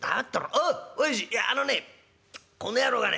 おうおやじいやあのねこの野郎がね